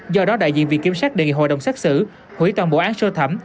do đó đại diện vị kiểm sát đề nghị hội đồng xác xử hủy toàn bộ án sơ thẩm